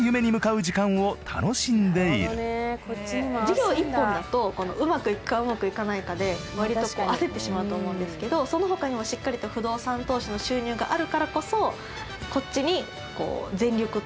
事業一本だとうまくいくかうまくいかないかで割とこう焦ってしまうと思うんですけどその他にもしっかりと不動産投資の収入があるからこそこっちに全力投球ができるっていう感じですね。